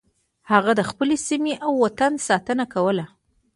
هغه د خپلې سیمې او وطن ساتنه کوله.